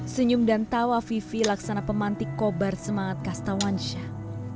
senyum dan tawa ivi laksana pemantik kobar semangat kastawansyah